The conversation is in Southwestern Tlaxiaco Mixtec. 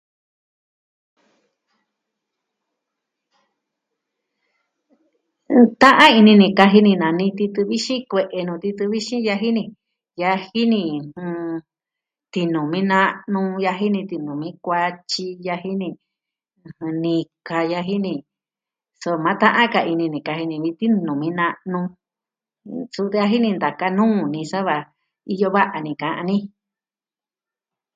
Ta'an ini ni kaji ni nani titɨ vixin kue'e nuu titɨ vixin yaji ni. Yaji ni jɨn... tinumi na'nu, yajini tinumi kuatyi yajin ni. ɨjɨn... nika yaji ni. Soma ta'an ka ini ni kaji ni tinumi na'nu jen suu nkajini ntaka nuu ni sava iyo va'a ni ka'an ni.